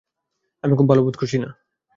আমি খুব ভালো বোধ করছি না।